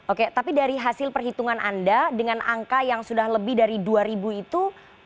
oke tapi dari hasil perhitungan anda dengan angka yang sudah lebih dari dua ribu itu